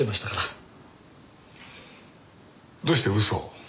どうして嘘を？